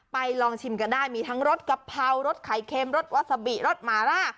ลองชิมกันได้มีทั้งรสกะเพรารสไข่เค็มรสวัสบิรสหมาร่า